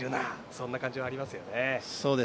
そんな感じはありますよね。